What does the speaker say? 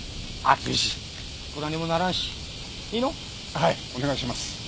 はいお願いします。